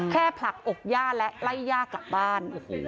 ผลักอกย่าและไล่ย่ากลับบ้าน